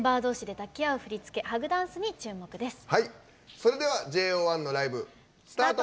それでは ＪＯ１ のライブ、スタート。